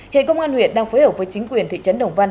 hiện công an huyện đang phối hợp với chính quyền thị trấn đồng văn